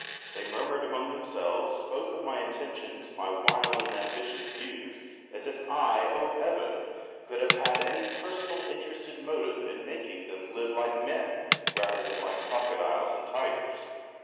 They murmured among themselves, spoke of my intentions, my wild and ambitious views, as if I, O heaven! could have had any personal interested motive in making them live like men, rather than like crocodiles and tigers.